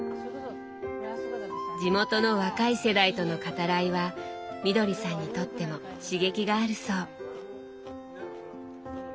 地元の若い世代との語らいはみどりさんにとっても刺激があるそう。